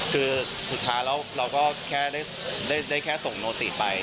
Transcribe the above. คือสุดท้ายแล้วเราก็แค่ได้แค่ส่งโนติไป